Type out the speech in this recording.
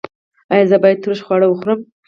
ایا زه باید ترش خواړه وخورم؟